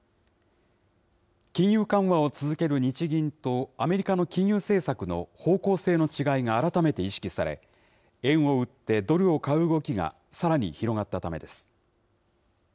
金融緩和を続ける日銀とアメリカの金融政策の方向性の違いが改めて意識され、円を売ってドルを買う動きが、さらに広がったためです。